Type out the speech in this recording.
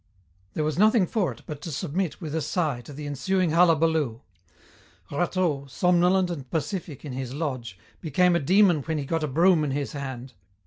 There was nothing for it but to submit with a sigh to the ensuing hullabaloo. Rateau, somnolent and pacific in his lodge, became a demon when he got a broom in his hand.